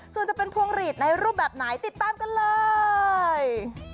ส่วนจะเป็นพวงหลีดในรูปแบบไหนติดตามกันเลย